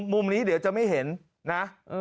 มุมนี้เดี๋ยวจะไม่เห็นนะ